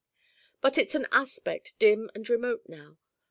But it's an aspect dim and remote now.